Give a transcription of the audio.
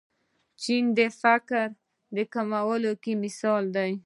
چین د فقر کمولو کې مثال دی.